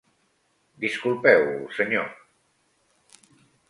Disculpeu, senyor.